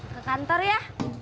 ke kantor ya